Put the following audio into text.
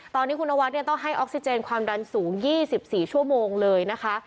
ตอนนี้คุณนวัดต้องให้ออกซิเจนความดันสูง๒๔ชั่วโมงเลยนะคะ